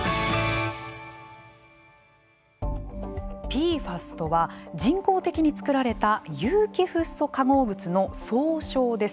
ＰＦＡＳとは人工的に作られた有機フッ素化合物の総称です。